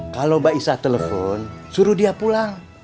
kalau mbak isa telepon suruh dia pulang